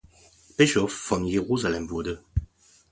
Bischof von Jerusalem wurde.